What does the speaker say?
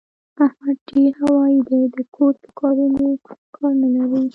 احمد ډېر هوايي دی؛ د کور په کارو کار نه لري.